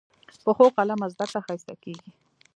پخو قلمه زده کړه ښایسته کېږي